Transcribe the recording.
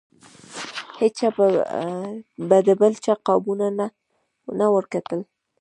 هیچا به د بل چا قابونو ته نه ورکتل.